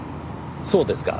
そうですか。